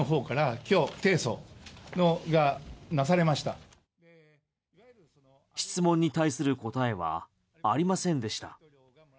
その質問に対する答えはありませんでした。